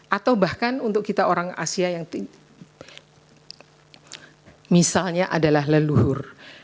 berdasarkan untuk kita orang asia misalnya adalah leluhur